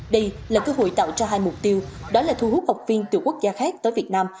đây là cơ hội tạo ra hai mục tiêu đó là thu hút học viên từ quốc gia khác tới việt nam